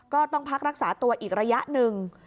ก็ต้องพักรักษาตัวอีกระยะหนึ่ง